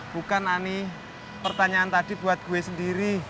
bukan ani pertanyaan tadi buat gue sendiri